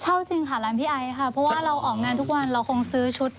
จริงค่ะร้านพี่ไอค่ะเพราะว่าเราออกงานทุกวันเราคงซื้อชุด